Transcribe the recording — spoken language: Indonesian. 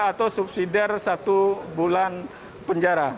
atau subsidi dari satu bulan penjara